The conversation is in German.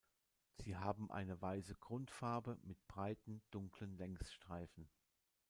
Sie haben eine weiße Grundfarbe mit breiten, dunklen Längsstreifen.